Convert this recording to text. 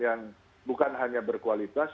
yang bukan hanya berkualitas